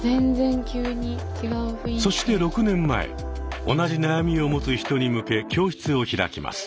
そして６年前同じ悩みを持つ人に向け教室を開きます。